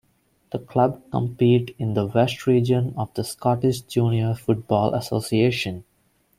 The club compete in the West Region of the Scottish Junior Football Association.